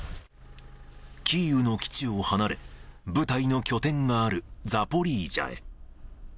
キーウの基地を離れ、部隊の拠点があるザポリージャへ。